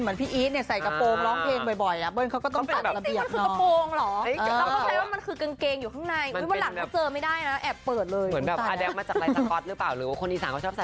เหมือนพี่อีทใส่กระโปรงร้องเงงบ่อยล่ะ